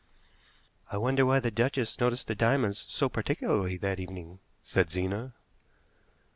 "I wonder why the duchess noticed the diamonds so particularly that evening," said Zena.